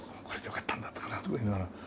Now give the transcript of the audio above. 「これでよかったんだったかな？」とか言いながら。